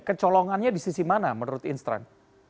kecolongannya di sisi mana menurut insran